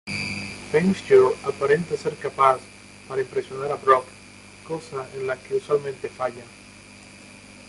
Venture aparenta ser capaz para impresionar a Brock, cosa en la que usualmente falla.